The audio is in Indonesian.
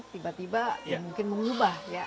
tiba tiba mungkin mengubah ya